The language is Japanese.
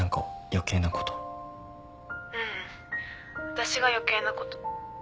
私が余計なこと